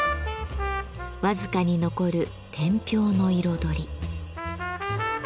僅かに残る天平の彩り。